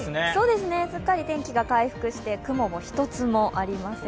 すっかり天気が回復して、雲も一つもありませんね。